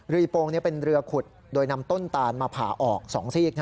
เรืออีโปงเป็นเรือขุดโดยนำต้นตานมาผ่าออกสองซีก